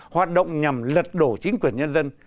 hoạt động nhằm lật đổ chính quyền nhân dân